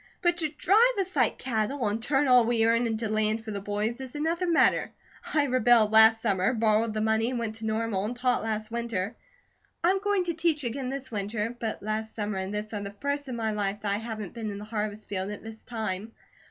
But to drive us like cattle, and turn all we earn into land for the boys, is another matter. I rebelled last summer, borrowed the money and went to Normal and taught last winter. I'm going to teach again this winter; but last summer and this are the first of my life that I haven't been in the harvest fields, at this time.